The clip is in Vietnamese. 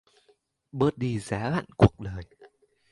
Bớt đi giá lạnh cuộc đời